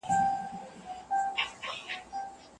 منل له ردولو ښه دي.